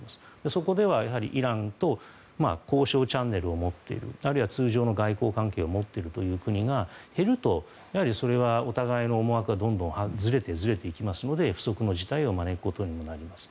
そこではイランと交渉チャンネルを持っているあるいは通常の外交関係を持っているという国が減るとそれはお互いの思惑がずれていきますので不測の事態を招くことにもなります。